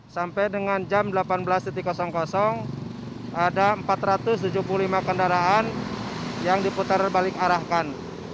sampai dengan jam delapan belas ada empat ratus tujuh puluh lima kendaraan yang diputar balik arahkan